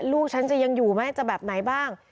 ลูกฉันจะยังอยู่ไหมจะแบบไหนบ้าง